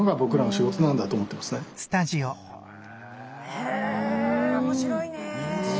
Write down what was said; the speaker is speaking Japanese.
へえ面白いね。